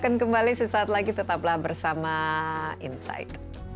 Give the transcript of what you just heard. akan kembali sesaat lagi tetaplah bersama insight